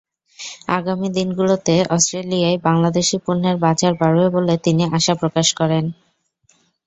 আগামী দিনগুলোতে অস্ট্রেলিয়ায় বাংলাদেশি পণ্যের বাজার বাড়বে বলে তিনি আশা প্রকাশ করেন।